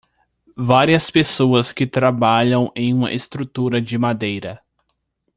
Várias pessoas que trabalham em uma estrutura de madeira.